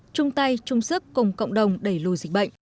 chung tay chung sức cùng cộng đồng đẩy lùi dịch bệnh